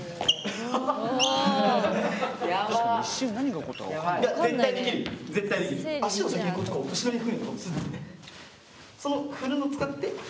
一瞬何が起こったか分かんない。